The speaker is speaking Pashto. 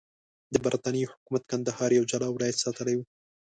د برټانیې حکومت کندهار یو جلا ولایت ساتلی وو.